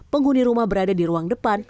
penghuni rumah berada di ruang depan